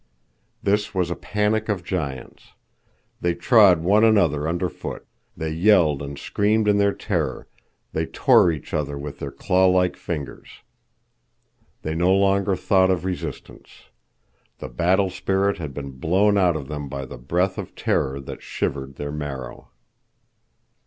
It was a panic of giants. They trod one another under foot; they yelled and screamed in their terror; they tore each other with their clawlike fingers. They no longer thought of resistance. The battle spirit had been blown out of them by a breath of terror that shivered their marrow.